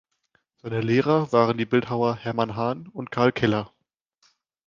Seine Lehrer waren die Bildhauer Hermann Hahn und Karl Killer.